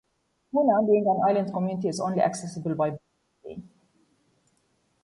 Hoonah, being an island community, is only accessible by boat or plane.